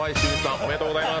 おめでとうございます。